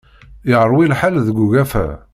Yerwi lḥal deg ugafa.